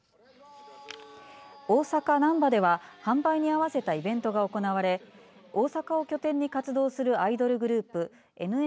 大阪、なんばでは販売に合わせたイベントが行われ大阪を拠点に活動するアイドルグループ